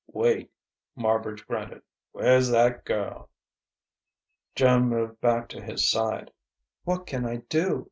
"Wait," Marbridge grunted. "Where's that girl?" Joan moved back to his side. "What can I do?"